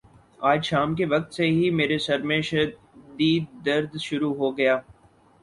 آج شام کے وقت سے ہی میرے سر میں شدد درد شروع ہو گیا